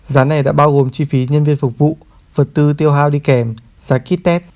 giá này đã bao gồm chi phí nhân viên phục vụ vật tư tiêu hao đi kèm giá ký test